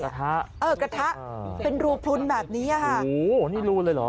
กระทะเออกระทะเป็นรูพลุนแบบนี้อ่ะค่ะโอ้โหนี่รูเลยเหรอ